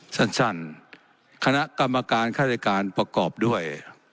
สั้นคณะกรรมการฆาติการประกอบด้วย